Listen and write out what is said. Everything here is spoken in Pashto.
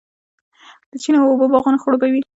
د چینو اوبه باغونه خړوبوي.